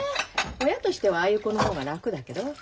親としてはああいう子の方が楽だけど。